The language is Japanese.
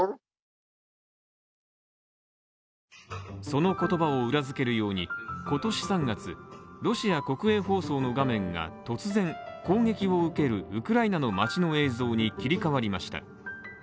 その言葉を裏付けるように、今年３月、ロシア国営放送の画面が突然攻撃を受けるウクライナの街の映像に切り替わりました。